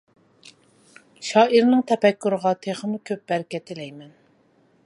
شائىرنىڭ تەپەككۇرىغا تېخىمۇ كۆپ بەرىكەت تىلەيمەن.